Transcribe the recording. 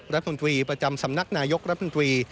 รัฐมนตรีประจำสำนักนายกรัฐมนตรี